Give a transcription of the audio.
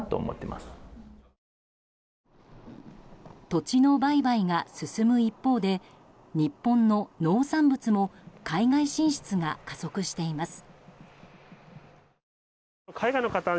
土地の売買が進む一方で日本の農産物も海外進出が加速しています。